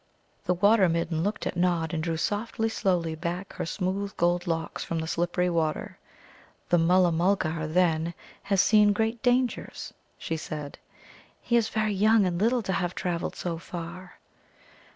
The Water midden looked at Nod, and drew softly, slowly back her smooth gold locks from the slippery water. "The Mulla mulgar, then, has seen great dangers?" she said. "He is very young and little to have travelled so far."